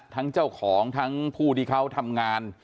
ทั้งเจ้าของทั้งผู้ที่เขาทำงาน